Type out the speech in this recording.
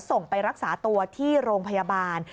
ส่งไปรักษาตัวที่โรงพยาบาล